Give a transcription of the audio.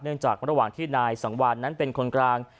จากระหว่างที่นายสังวานนั้นเป็นคนกลาง